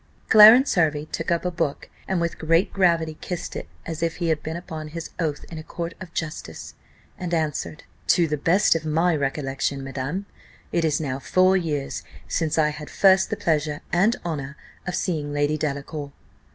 Clarence Hervey took up a book, and with great gravity kissed it, as if he had been upon his oath in a court of justice, and answered, "To the best of my recollection, madam, it is now four years since I had first the pleasure and honour of seeing Lady Delacour."